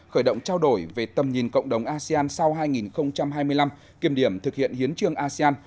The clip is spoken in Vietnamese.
khởi động trao đổi về tầm nhìn cộng đồng asean sau hai nghìn hai mươi năm kiểm điểm thực hiện hiến trương asean